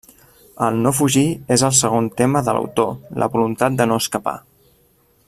El no fugir és el segon tema de l'autor: la voluntat de no escapar.